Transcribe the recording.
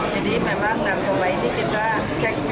jadi memang narkoba ini kita cek